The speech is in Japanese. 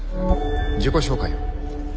自己紹介を。